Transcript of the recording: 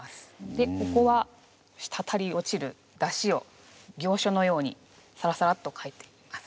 でここはしたたり落ちるだしを行書のようにさらさらっと書いています。